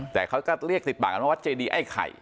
แต่เขาก็เรียกติดบากวัดเจดีไอ้ไข่